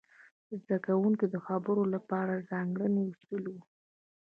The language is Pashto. د زده کوونکو د خبرو لپاره ځانګړي اصول وو.